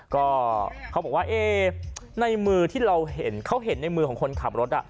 ก็เขาบอกว่าในมือที่เราเห็นเขาเห็นในมือของคนขับรถ